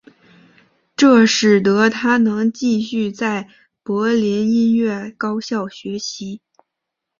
这使得他能继续在柏林音乐高校学习。